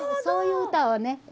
そういう歌をね